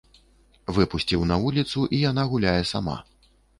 Выпусціў на вуліцу, і яна гуляе сама.